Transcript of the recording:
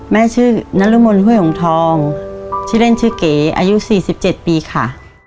แม่ชื่อนรมนห้วยหงทองชื่อเล่นชื่อเก๋อายุ๔๗ปีค่ะ